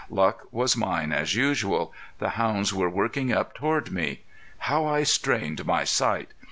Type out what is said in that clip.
Luck was mine as usual; the hounds were working up toward me. How I strained my sight!